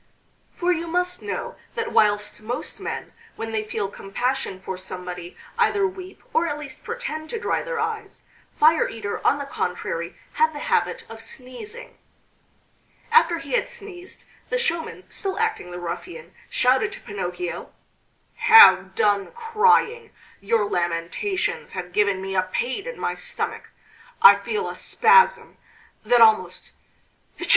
For you must know that whilst most men when they feel compassion for somebody either weep, or at least pretend to dry their eyes, Fire eater, on the contrary, had the habit of sneezing. After he had sneezed, the showman, still acting the ruffian, shouted to Pinocchio: "Have done crying! Your lamentations have given me a pain in my stomach ... I feel a spasm, that almost.... Etci!